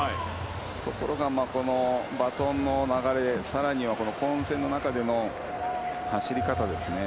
ところがバトンの流れ、さらには混戦の中での走り方ですね。